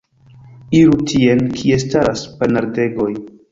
Iru tien, kie staras ponardegoj!